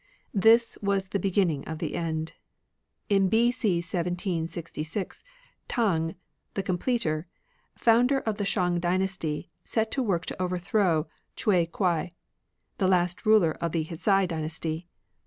This was the beginning of the end. In B.C. 1766 T'ang the Completer, founder of the Shang dynasty, set to work to overthrow Chieh Kuei, the last ruler of the Hsia dynasty.